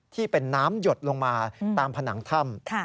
ที่เป็นน้ำหยดลงมาตามผนังถ้ำ